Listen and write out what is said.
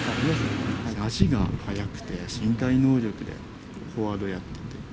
足が速くて、身体能力でフォワードやってて。